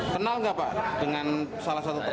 kenal nggak pak dengan salah satu tokoh